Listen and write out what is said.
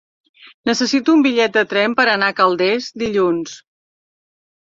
Necessito un bitllet de tren per anar a Calders dilluns.